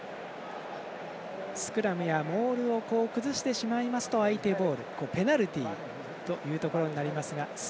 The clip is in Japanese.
スクラムやモールを崩してしまいますと相手ボールペナルティとなります。